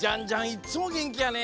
いっつもげんきやね。